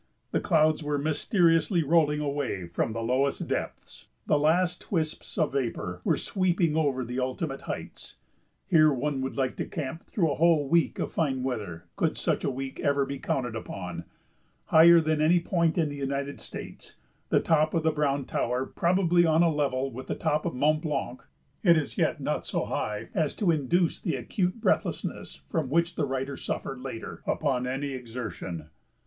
The clouds were mysteriously rolling away from the lowest depths; the last wisps of vapor were sweeping over the ultimate heights. Here one would like to camp through a whole week of fine weather could such a week ever be counted upon. Higher than any point in the United States, the top of the Browne Tower probably on a level with the top of Mount Blanc, it is yet not so high as to induce the acute breathlessness from which the writer suffered, later, upon any exertion.